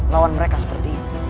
lawan mereka seperti ini